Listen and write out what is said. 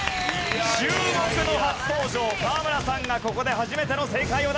注目の初登場河村さんがここで初めての正解を出した！